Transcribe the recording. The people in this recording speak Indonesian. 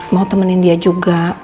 mau temenin dia juga